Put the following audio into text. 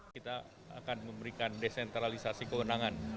kita akan memberikan desentralisasi kewenangan